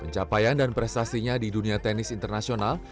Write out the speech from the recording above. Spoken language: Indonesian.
pencapaian dan prestasinya di dunia tenis internasional